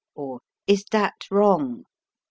or Is that wrong ?